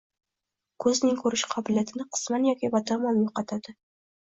Ko‘zning ko‘rish qobiliyatini qisman yoki batamom yo‘qotadi